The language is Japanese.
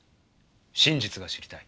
真実が知りたい。